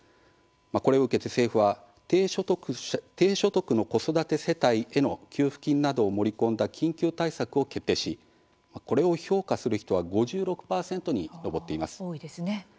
これを受けて政府は低所得の子育て世帯への給付金などを盛り込んだ緊急対策を決定しこれを「評価する」人は５６％に上っています。